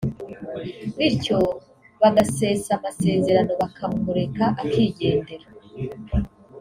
bityo bagasesa amasezerano bakamureka akigendera